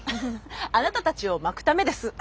あなたたちをまくためです。